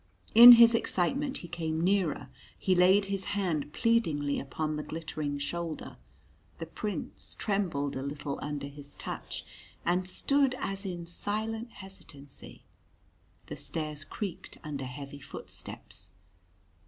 In his excitement he came nearer, he laid his hand pleadingly upon the glittering shoulder. The Prince trembled a little under his touch, and stood as in silent hesitancy. The stairs creaked under heavy footsteps.